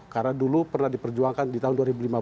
karena dulu pernah diperjuangkan di tahun dua ribu lima belas